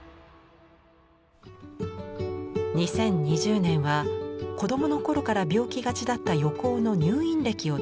２０２０年は子どもの頃から病気がちだった横尾の入院歴をテーマにした企画展。